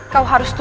kau harus mencari